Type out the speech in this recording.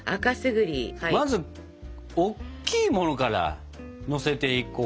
まずおっきいものからのせていこうかね。